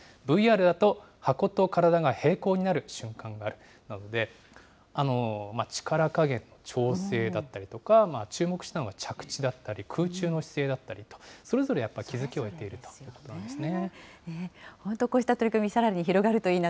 ＶＲだと、箱と体がへいこうになる瞬間があるなどで、力加減の調整だったりだとか、注目したのが着地だったり、空中の姿勢だったりと、それぞれやっぱ気付きを得ているということなんですね。